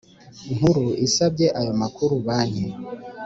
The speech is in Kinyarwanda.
Nkuru isabye ayo makuru Banki